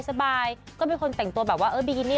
ก็ไม่มีคนแต่งตัวแบบว่าเออบิกินี่